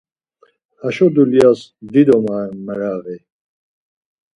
Haşo dulyas dido maven meraği